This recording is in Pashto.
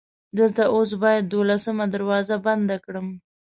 دلته اوس باید دولسمه دروازه پیدا کړم.